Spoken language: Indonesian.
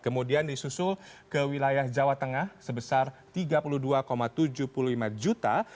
kemudian disusul ke wilayah jawa tengah sebesar tiga puluh dua tujuh puluh lima juta